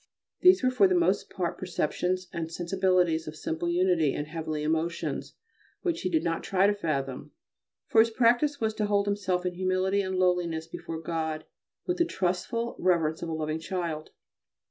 These were for the most part perceptions and sensibilities of simple unity and heavenly emotions which he did not try to fathom: for his practice was to hold himself in humility and lowliness before God with the trustful reverence of a loving child.